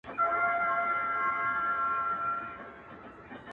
و باطل ته یې ترک کړئ عدالت دی,